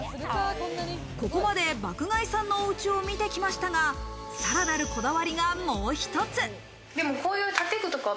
ここまで爆買いさんのお家を見てきましたが、さらなるこだわりが、もう一つ。